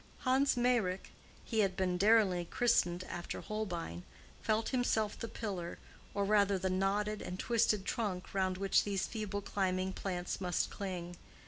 Hans Meyrick—he had been daringly christened after Holbein—felt himself the pillar, or rather the knotted and twisted trunk, round which these feeble climbing plants must cling.